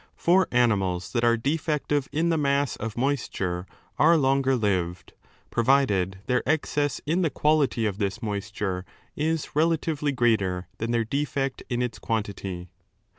For animals that are defective in the mass of moisture are longer lived, provided their excess in the 466^ quality of this moisture is relatively greater than their defect in its quantity.